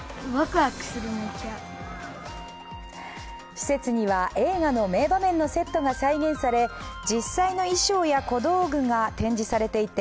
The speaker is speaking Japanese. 施設には映画の名場面のセットが再現され実際の衣装や小道具が展示されていて、